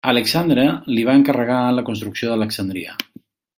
Alexandre li va encarregar la construcció d'Alexandria.